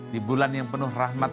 di bulan yang penuh rahmat